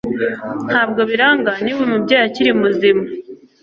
Ntabwo biranga niba uyu mubyeyi akiri muzima.